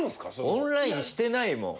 オンラインしてないもん。